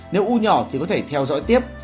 nếu u nhỏ thì có thể theo dõi tiếp